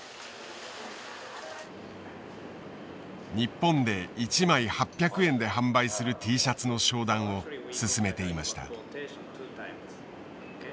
日本で一枚８００円で販売するＴシャツの商談を進めていました。